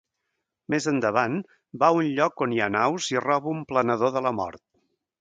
Més endavant va a un lloc on hi ha naus i roba un Planador de la Mort.